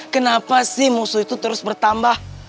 kenapa sih musuh itu terus bertambah